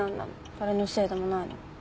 誰のせいでもないのに。